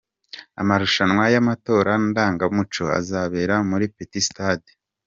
Amarushanwa y’amatorero ndangamuco azabera muri Petit Stade.